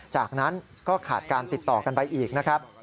จากนั้นก็ขาดการติดต่อกันไปอีกนะครับ